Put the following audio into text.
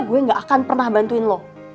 gue gak akan pernah bantuin lo